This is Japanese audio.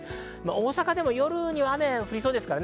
大阪でも夜には雨が降りそうです。